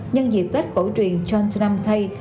nhân dịp tết cổ truyền chantanamthai